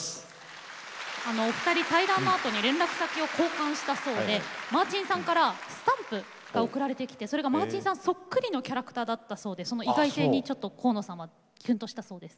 お二人対談のあとに連絡先を交換したそうでマーチンさんからスタンプが送られてきてそれがマーチンさんそっくりのキャラクターだったそうでその意外性にちょっと河野さんはキュンとしたそうです。